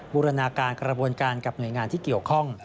บูรณาการกระบวนการกับหน่วยงานที่เกี่ยวข้อง